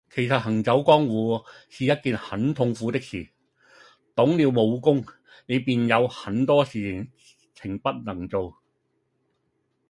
其實行走江湖是一件很痛苦的事，懂了武功，你便有很多事情不能做